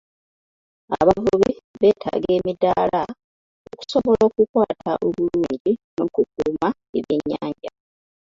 Abavubi beetaaga emidaala okusobola okukwata obulungi n'okukuuma ebyennyanja.